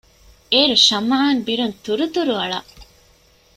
އެއިރު ޝަމްއާން ބިރުން ތުރުތުރުއަޅަ